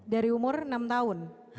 dari umur enam tahun